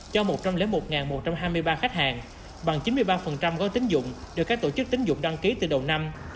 cho một trăm linh một một trăm hai mươi ba khách hàng bằng chín mươi ba gói tính dụng được các tổ chức tính dụng đăng ký từ đầu năm